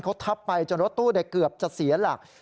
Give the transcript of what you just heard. เขาทับไปจนรถตู้เกือบจะเสียหลัก